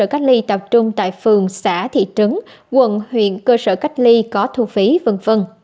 cách ly tập trung tại phường xã thị trấn quận huyện cơ sở cách ly có thu phí v v